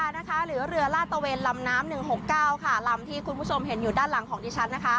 เหลือเรือลาดตะเวนลำน้ำ๑๖๙ลำที่คุณผู้ชมเห็นอยู่ด้านหลังของดิฉัน